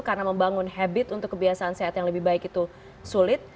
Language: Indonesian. karena membangun habit untuk kebiasaan sehat yang lebih baik itu sulit